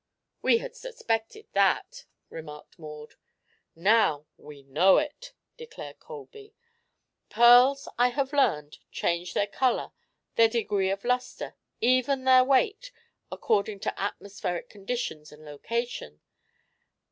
"We had suspected that," remarked Maud. "Now we know it," declared Colby. "Pearls, I have learned, change their color, their degree of luster, even their weight, according to atmospheric conditions and location.